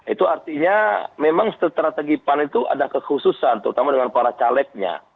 itu artinya memang strategi pan itu ada kekhususan terutama dengan para calegnya